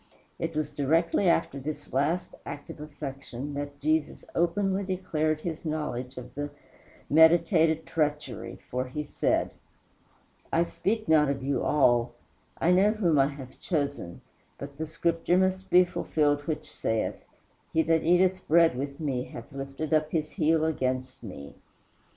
It was directly after this last act of affection that Jesus openly declared his knowledge of the meditated treachery, for he said: "I speak not of you all, I know whom I have chosen; but the Scripture must be fulfilled which saith, He that eateth bread with me hath lifted up his heel against me."